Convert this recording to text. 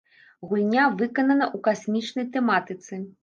Гульня выканана ў касмічнай тэматыцы.